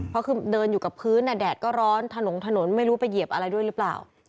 เพราะคือเดินอยู่กับพื้นแดดก็ร้อนถนนไม่รู้ไปเหยียบอะไรด้วยหรือเปล่า